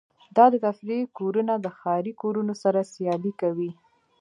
دا د تفریح کورونه د ښاري کورونو سره سیالي کوي